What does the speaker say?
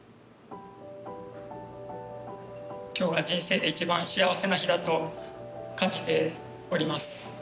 今日は人生で一番幸せな日だと感じております。